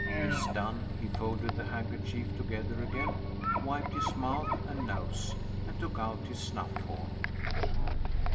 This done, he folded the handkerchief together again, wiped his mouth and nose, and took out his snuff horn.